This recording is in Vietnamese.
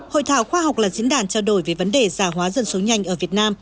hội thảo khoa học là diễn đàn trao đổi về vấn đề giả hóa dân số nhanh ở việt nam